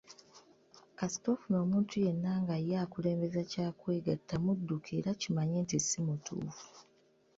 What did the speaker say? Kasita ofuna omuntu nga ye akulembeza kya kwegatta mudduke era kimanye nti si mutuufu.